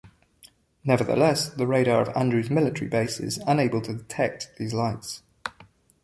Nevertheless, the radar of Andrews Military base is unable to detect these lights.